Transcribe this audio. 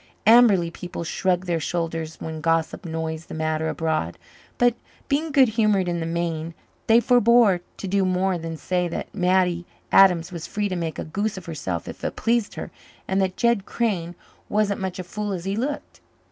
Amberley people shrugged their shoulders when gossip noised the matter abroad. But, being good humoured in the main, they forebore to do more than say that Mattie Adams was free to make a goose of herself if it pleased her, and that Jed Crane wasn't such a fool as he looked.